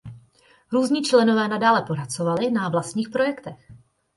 Různí členové nadále pracovali na vlastních projektech.